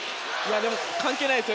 でも関係ないですよ